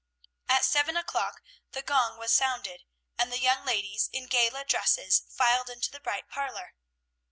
At seven o'clock the gong was sounded, and the young ladies in gala dresses filed into the bright parlor.